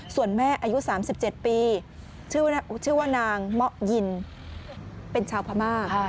ส่วนแม่อายุ๓๗ปีชื่อว่านางเมาะยินเป็นชาวพม่า